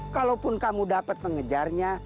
kalaupun kamu dapat mengejarnya